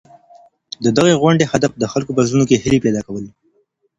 د دغي غونډې هدف د خلکو په زړونو کي د هیلې پیدا کول وو.